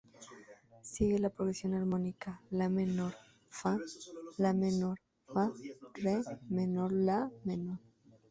Sigue la progresión armónica "la" menor-"fa"-"la" menor-"fa"-"re" menor-"la" menor.